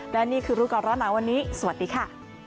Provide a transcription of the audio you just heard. และนี่คือรู้ก่อนร้อนหนาวันนี้สวัสดีค่ะ